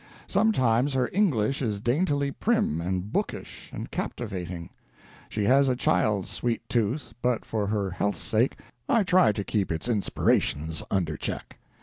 Sometimes her English is daintily prim and bookish and captivating. She has a child's sweet tooth, but for her health's sake I try to keep its inspirations under check.